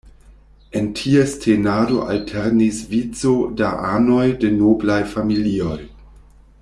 En ties tenado alternis vico da anoj de noblaj familioj.